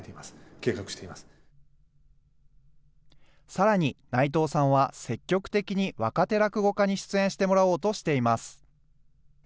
さらに、内藤さんは積極的に若手落語家に出演してもらおうとしています。